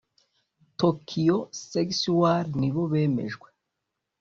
Tokyo Sexwale nibo bemejwe